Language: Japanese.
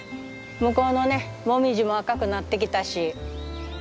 向こうのねモミジも赤くなってきたし。